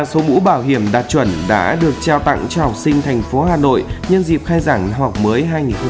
số mũ bảo hiểm đạt chuẩn đã được trao tặng cho học sinh thành phố hà nội nhân dịp khai giảng học mới hai nghìn một mươi năm hai nghìn một mươi sáu